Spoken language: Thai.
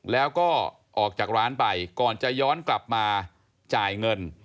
แล้วก็ออกจากร้านไปก่อนจะย้อนกลับมาจ่ายเงิน